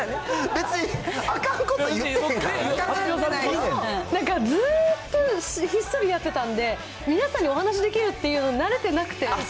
別にあかんこと言ってへんかなんかずっとひっそりやってたんで、皆さんにお話しできるっていうのに慣れてなくて。